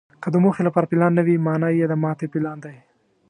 که د موخې لپاره پلان نه وي، مانا یې د ماتې پلان دی.